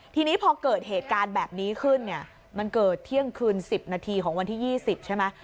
ทีนี้พอเกิดเหตุการณ์แบบนี้ขึ้นเนี่ยมันเกิดเที่ยงคืน๑๐นาทีของวันที่๒๐ใช่ไหม